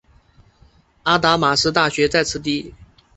阿达玛斯大学在此地。